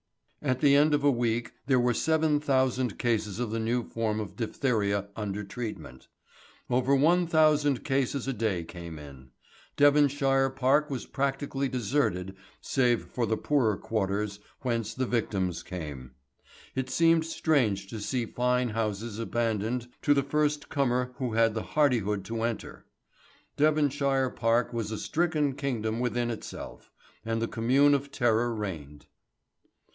At the end of a week there were seven thousand cases of the new form of diphtheria under treatment. Over one thousand cases a day came in. Devonshire Park was practically deserted save for the poorer quarters, whence the victims came. It seemed strange to see fine houses abandoned to the first comer who had the hardihood to enter. Devonshire Park was a stricken kingdom within itself, and the Commune of terror reigned.